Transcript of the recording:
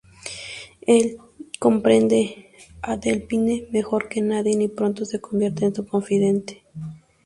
Elle comprende a Delphine mejor que nadie, y pronto se convierte en su confidente.